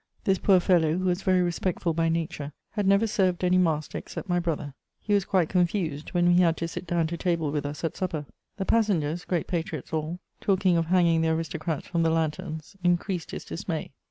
This poor fellow, who was very respectful by nature, had never served any master except my brother; he was quite confused when he had to sit down to table with us at supper. The passengers, great patriots all, talking of hanging the aristocrats from the lanterns, increased his dismay.